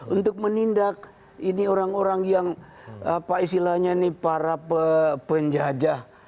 untuk menindak ini orang orang yang apa istilahnya ini para penjajah